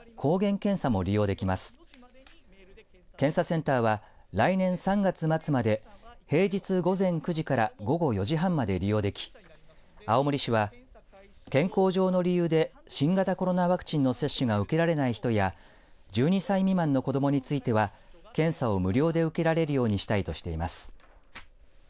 検査センターは来年３月末まで平日午前９時から午後４時半まで利用でき青森市は健康上の理由で新型コロナワクチンの接種が受けられない人や１２歳未満の子どもについては検査を無料で受けられるようにしたいとしています。